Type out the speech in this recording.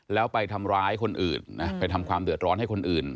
แล้วไปทำร้ายคนอื่นนะไปทำความเดือดร้อนให้คนอื่น